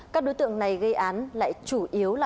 các đối tượng này gây án lại chủ yếu là các thanh niên